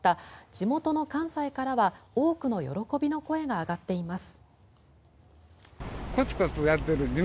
地元の関西からは多くの喜びの声が上がっています。